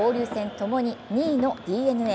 ともに２位のＤｅＮＡ。